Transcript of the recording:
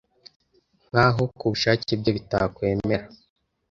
nkaho ku bushake byo bitakwemera